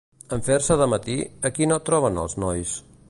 En fer-se de matí, a qui no troben els nois?